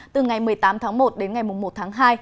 từ ngày một mươi tám tháng một đến ngày một tháng hai